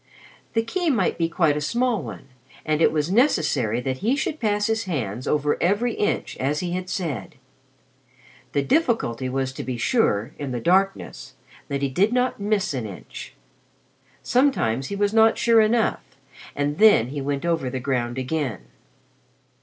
The key might be quite a small one, and it was necessary that he should pass his hands over every inch, as he had said. The difficulty was to be sure, in the darkness, that he did not miss an inch. Sometimes he was not sure enough, and then he went over the ground again.